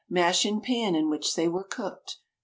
Mash in pan in which they were cooked.